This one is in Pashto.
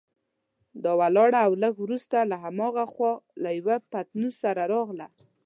دا ولاړه او لږ وروسته له هماغې خوا له یوه پتنوس سره راغله.